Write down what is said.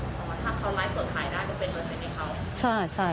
ถ้าเขาลายสดขายได้ก็เป็นเปอร์เซ็นต์ให้เขา